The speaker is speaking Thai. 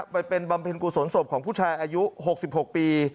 ไปเป็นบำเพ็ญกุศลศพของผู้ชายอายุ๖๖ปี